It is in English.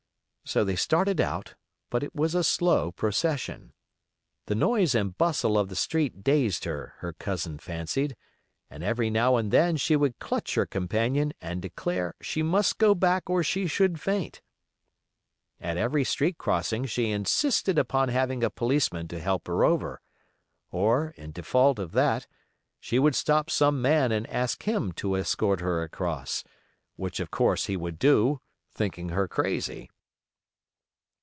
So they started out, but it was a slow procession. The noise and bustle of the street dazed her, her cousin fancied, and every now and then she would clutch her companion and declare she must go back or she should faint. At every street crossing she insisted upon having a policeman to help her over, or, in default of that, she would stop some man and ask him to escort her across, which, of course, he would do, thinking her crazy.